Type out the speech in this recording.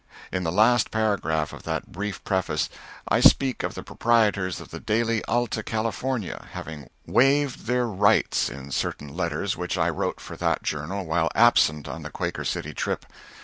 In the last paragraph of that brief preface, I speak of the proprietors of the "Daily Alta California" having "waived their rights" in certain letters which I wrote for that journal while absent on the "Quaker City" trip.